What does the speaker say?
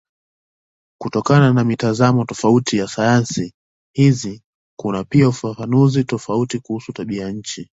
Kutokana na mitazamo tofauti ya sayansi hizi kuna pia ufafanuzi tofauti kuhusu tabianchi.